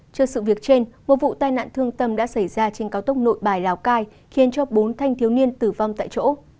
trước sự việc trên một vụ tai nạn thương tâm đã xảy ra trên cao tốc nội bài lào cai khiến cho bốn thanh thiếu niên tử vong tại chỗ